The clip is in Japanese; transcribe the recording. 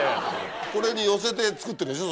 これに寄せて作ってるでしょ。